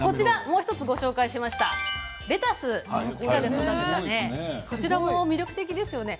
もう１つご紹介しました、レタス、地下で育てたこちらも魅力的ですよね。